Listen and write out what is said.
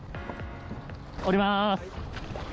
降りまーす。